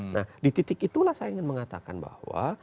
nah di titik itulah saya ingin mengatakan bahwa